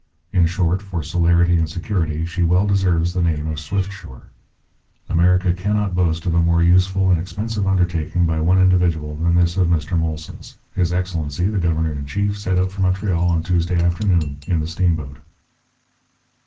In short, for celerity and security, she well deserves the name of Swiftsure. America cannot boast of a more useful and expensive undertaking by one individual, than this of Mr Molson's. His Excellency, the Governor in chief, set out for Montreal on Tuesday afternoon, in the Steam Boat.